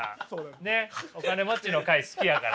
ねっお金持ちの会好きやから。